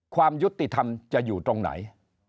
ความยุติธรรมจะอยู่ตรงไหน